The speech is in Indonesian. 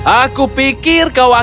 aku pikir kau akan menerima suap